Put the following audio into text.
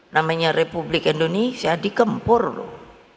namanya republik indonesia dikempur loh